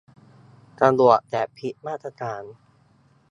สะดวกแต่ผิดมาตรฐาน